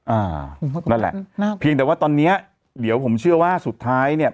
อ่านั่นแหละเพียงแต่ว่าตอนเนี้ยเดี๋ยวผมเชื่อว่าสุดท้ายเนี้ย